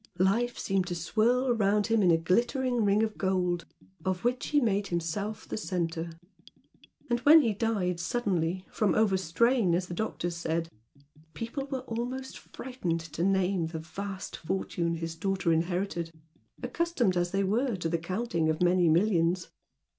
Life seemed to swirl round him in a glittering ring of gold of which he made himself the centre, and when he died suddenly "from overstrain" as the doctors said, people were almost frightened to name the vast fortune his daughter inherited, accustomed as they were to the counting of many millions.